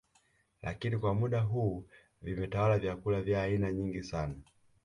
Lakini kwa muda huu vimetawala vyakula vya aina nyingi sana